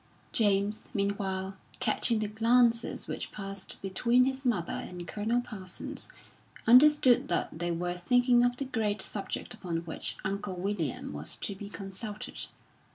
James, meanwhile, catching the glances which passed between his mother and Colonel Parsons, understood that they were thinking of the great subject upon which Uncle William was to be consulted.